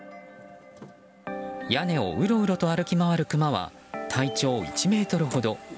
屋根をうろうろと歩き回るクマは体長１ｍほど。